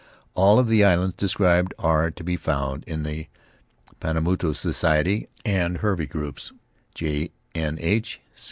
All of the islands described are to be found in the Paumotu, Society, and Hervey groups. J. N. H.